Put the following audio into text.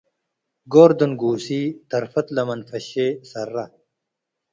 ጎር ድንጉሲ” ተርፈት ለመንፈሼ ሰረ